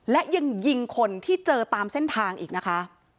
และยังยิงคนที่เจอตามเส้นทางอีกนะคะ